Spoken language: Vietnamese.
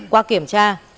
qua kiểm tra